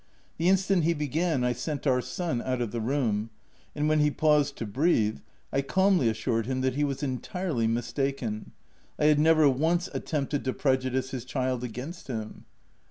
The instant he began I sent our son out of the room ; and when he paused to breathe, I calmly assured him that he was en tirely mistaken ; I had never once attempted to prejudice his child against him.